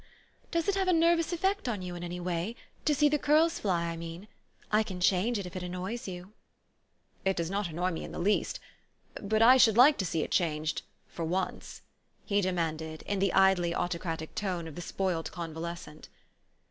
" Does it have a nervous effect on you in any way, to see the curls fly, I mean? I can change it if it annoys you." THE STORY OF AVIS. 169 " It does not annoy me in the least. But I should like to see it changed for once," he demanded, in the idly autocratic tone of the spoiled convalescent.